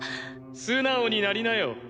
素直になりなよ。